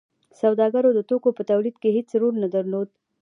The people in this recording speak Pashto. سوداګرو د توکو په تولید کې هیڅ رول نه درلود.